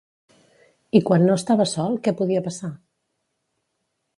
I quan no estava sol, què podia passar?